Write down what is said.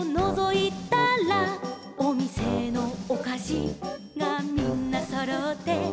「おみせのおかしがみんなそろって」